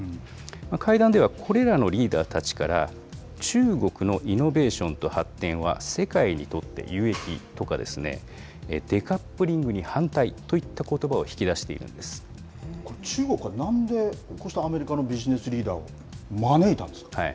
会談では、これらのリーダーたちから、中国のイノベーションと発展は世界にとって有益とかですね、デカップリングに反対といったこ中国はなんでこうしてアメリカのビジネスリーダーを招いたんですか。